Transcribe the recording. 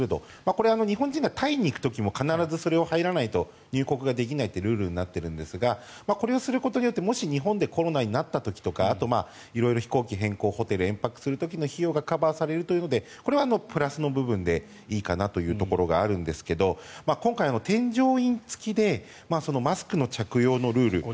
これは日本人がタイに行く時も必ずそれに入らないと入国できないルールになっているんですがこれをすることでもし日本でコロナになった時とかあと、色々、飛行機変更ホテルを延泊する時の費用がカバーされるというのでこれはプラスでいいかなというところがあるんですが今回、添乗員付きでマスクの着用のルール